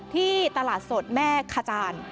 ที่ตลาดสดแม่ขจาน